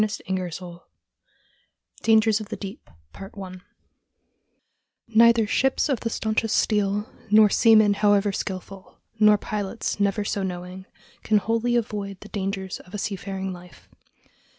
] CHAPTER X DANGERS OF THE DEEP Neither ships of the stanchest steel, nor seamen however skilful, nor pilots never so knowing, can wholly avoid the dangers of a seafaring life.